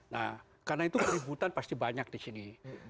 nah karena itu keributan pasti banyak disini